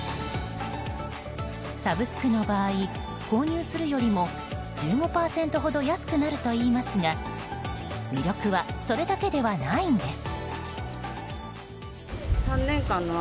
サブスクの場合、購入するよりも１５％ほど安くなるといいますが魅力はそれだけではないんです。